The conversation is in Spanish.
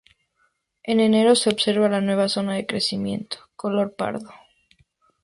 En enero se observa la nueva zona de crecimiento color pardo.